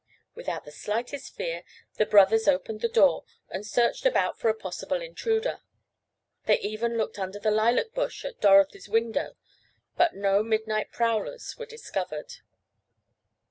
Without the slightest fear the brothers opened the door, and searched about for a possible intruder. They even looked under the lilac bush at Dorothy's window, but no midnight prowlers were discovered.